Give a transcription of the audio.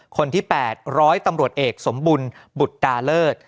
คนที่๘ร้อยตำรวจเอกสมบุญบุตรดาเลิศ